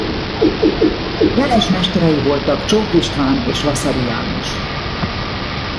Jeles mesterei voltak Csók István és Vaszary János.